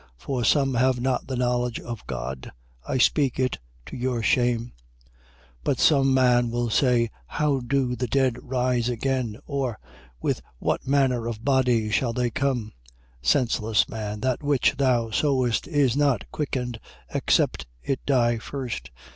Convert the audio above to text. For some have not the knowledge of God. I speak it to your shame. 15:35. But some man will say: How do the dead rise again? Or with what manner of body shall they come? 15:36. Senseless man, that which thou sowest is not quickened, except it die first.